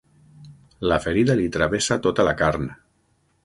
La ferida li travessa tota la carn.